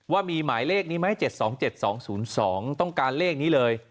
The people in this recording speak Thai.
ว่ามีหมายเลขนี้ไหม๗๒๗๒๐๒ต้องการเลขนี้เลย